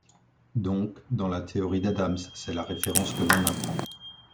Donc dans la théorie d'Adams c'est la référence que l'on apprend.